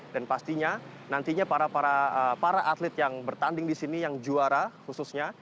dan pastinya nantinya para atlet yang bertanding di sini yang juara khususnya